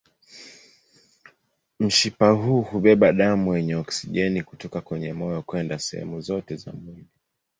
Mshipa huu hubeba damu yenye oksijeni kutoka kwenye moyo kwenda sehemu zote za mwili.